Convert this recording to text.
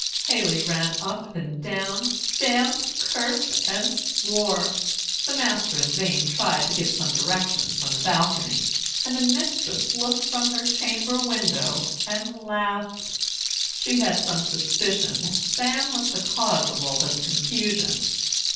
"Haley ran up and down, stamped, cursed, and swore. The master in vain tried to give some directions from the balcony, and the mistress looked from her chamber window and laughed. She had some suspicion that Sam was the cause of all this confusion.